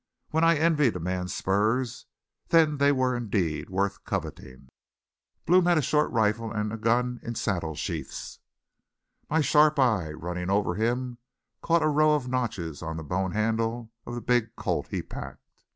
When I envied a man's spurs then they were indeed worth coveting. Blome had a short rifle and a gun in saddle sheaths. My sharp eye, running over him, caught a row of notches on the bone handle of the big Colt he packed.